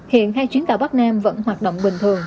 hiện hai chuyến tàu bắc nam vẫn hoạt động bình thường